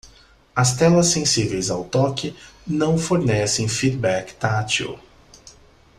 As telas sensíveis ao toque não fornecem feedback tátil.